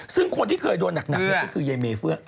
ซึ่งคนที่เคยโดนหนักก็คือยายเมเฟื่อง